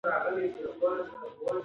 موږ باید د ټیکنالوژۍ په اغېزو پوه شو.